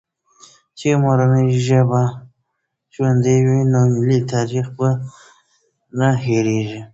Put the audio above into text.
چي مورنۍ ژبه ژوندۍ وي، ملي تاریخ نه هېرېږي.